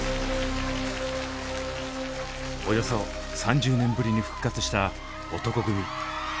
およそ３０年ぶりに復活した男闘呼組。